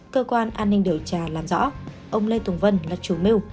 cơ quan an ninh điều tra làm rõ ông lê tùng vân là chủ mưu